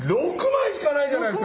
６枚しかない。